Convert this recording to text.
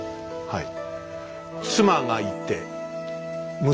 はい。